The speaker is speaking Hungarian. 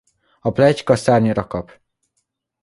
A pletyka szárnyra kap.